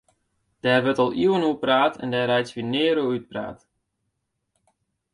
Dêr wurdt al iuwen oer praat en dêr reitsje we nea oer útpraat.